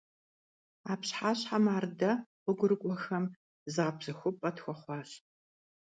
А пщыхьэщхьэм ар дэ, гъуэгурыкIуэхэм, зыгъэпсэхупIэ тхуэхъуащ.